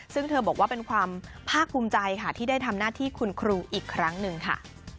ซึ่งเธอบอกว่าเป็นความภาคภูมิใจค่ะที่ได้ทำหน้าที่คุณครูอีกครั้งหนึ่งค่ะ